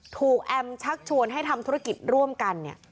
ถูกแอมชักชวนให้ทำธุรกิจร่วมกัน